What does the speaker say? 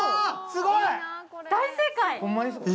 すごい！大正解。